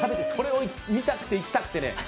それを見たくて行きたくてね。